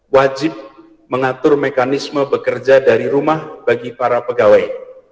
wajib mengatur mekanisme bekerja dari rumah bagi para pegawai